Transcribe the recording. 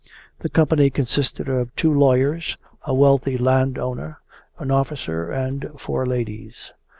The company consisted of two lawyers, a wealthy landowner, an officer, and four ladies.